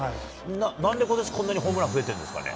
なんでことし、こんなにホームラン増えてるんですかね。